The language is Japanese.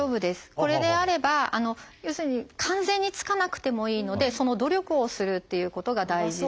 これであれば要するに完全につかなくてもいいのでその努力をするっていうことが大事で。